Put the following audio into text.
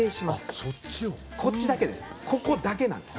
こっち、鉢だけなんです